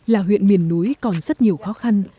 là huyện miền núi còn rất nhiều khó khăn